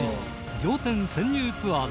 『仰天☆潜入ツアーズ！』